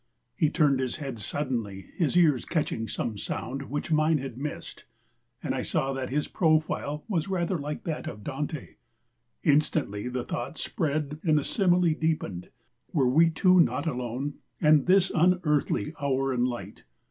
He turned his head suddenly, his ears catching some sound which mine had missed, and I saw that his profile was rather like that of Dante. Instantly the thought spread and the simile deepened. Were we two not all alone? and this unearthly hour and light.